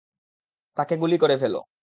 তাকে গুলি করে ফেলো!